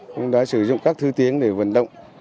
cũng đã sử dụng các thứ tiếng để vận động